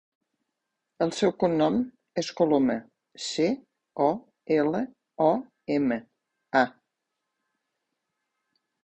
El seu cognom és Coloma: ce, o, ela, o, ema, a.